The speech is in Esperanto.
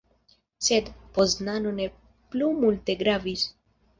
Sed, Poznano ne plu multe gravis.